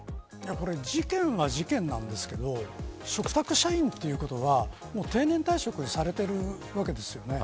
これ事件は事件なんですけど嘱託社員ということは定年退職されているわけですよね。